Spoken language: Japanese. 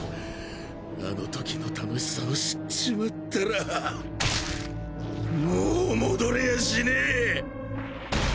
あの時の愉しさを知っちまったらもう戻れやしねぇ！